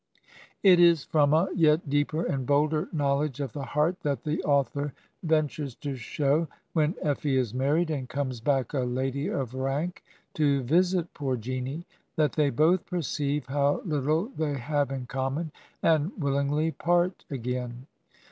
It is from a yet deeper and bolder knowledge of the heart that the author ventures to show, when Effie is married and comes back a lady of rank to visit poor Jeanie, that they both perceive how little they have in common, and will ingly part again.